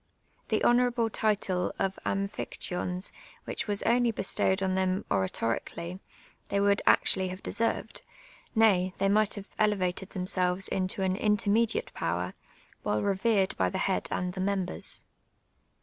The honourable title of " .^buphictyons,'* which was only bestowed on them oratorically, they would actually have desers^ed, nay, they might have elevated them selves into an intermediate power, while revered by the head and the members.